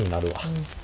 うん。